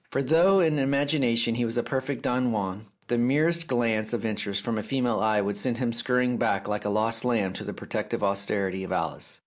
For though in imagination he was a perfect Don Juan, the merest glance of interest from a female eye would send him scurrying back like a lost lamb to the protective austerity of Alice.